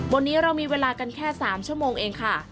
วันนี้เรามีเวลากันแค่๓ชั่วโมงเองค่ะ